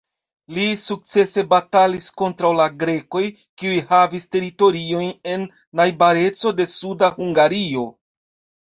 Li sukcese batalis kontraŭ la grekoj, kiuj havis teritoriojn en najbareco de suda Hungario.